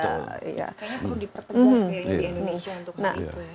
kayaknya perlu dipertemukan di indonesia untuk hal itu